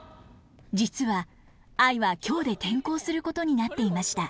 実は愛は今日で転校することになっていました。